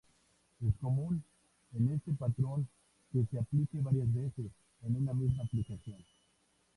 Es común, en este patrón, que se aplique varias veces, en una misma aplicación.